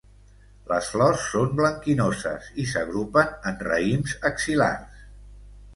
Les flors són blanquinoses i s'agrupen en raïms axil·lars.